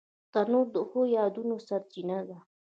تنور د ښو یادونو سرچینه ده